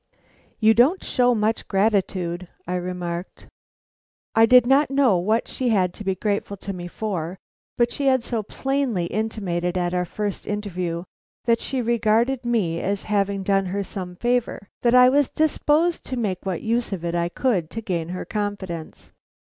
"You don't show much gratitude," I remarked. I did not know what she had to be grateful to me for, but she had so plainly intimated at our first interview that she regarded me as having done her some favor, that I was disposed to make what use of it I could, to gain her confidence.